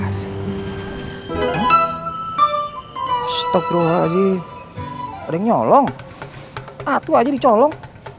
astagfirullahaladzim ada yang nyolong atuh aja dicolong